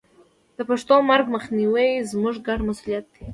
د پښتو د مرګ مخنیوی زموږ ګډ مسوولیت دی.